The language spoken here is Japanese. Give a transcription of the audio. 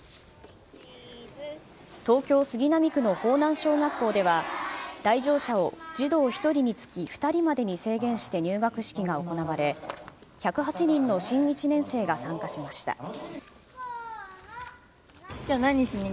東京・杉並区の方南小学校では来場者を、児童１人につき２人までに制限して入学式が行われ１０８人の新１年生が参加しました。